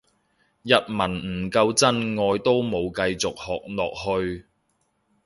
日文唔夠真愛都冇繼續學落去